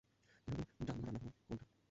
কিভাবে জানবো রান্নাঘর কোনটা?